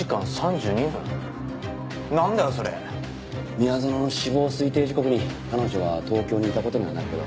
宮園の死亡推定時刻に彼女は東京にいた事にはなるけど。